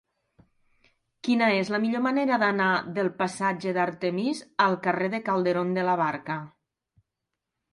Quina és la millor manera d'anar del passatge d'Artemis al carrer de Calderón de la Barca?